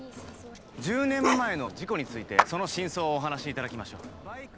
１０年前の事故についてその真相をお話しいただきましょう。